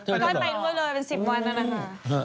ไปด้วยเลยเป็น๑๐วันแล้วนะคะ